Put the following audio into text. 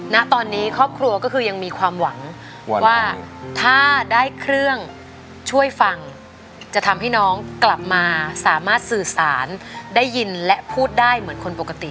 ณตอนนี้ครอบครัวก็คือยังมีความหวังว่าถ้าได้เครื่องช่วยฟังจะทำให้น้องกลับมาสามารถสื่อสารได้ยินและพูดได้เหมือนคนปกติ